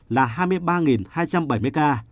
là hai mươi ba hai trăm bảy mươi ca